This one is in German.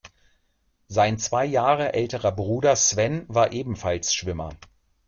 Sein zwei Jahre älterer Bruder Sven war ebenfalls Schwimmer.